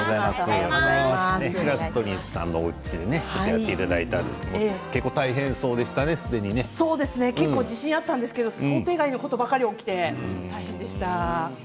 白鳥さんのおうちでねちょっとやっていただいたんですけど結構、自信があったんですけど想定外のことばかり起きて大変でした。